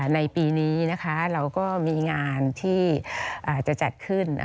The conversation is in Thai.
ในปีนี้นะคะเราก็มีงานที่จะจัดขึ้น